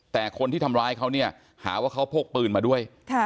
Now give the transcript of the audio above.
แต่คนที่ทำร้ายเขาเนี่ยหาว่าเขาพกปืนมาด้วย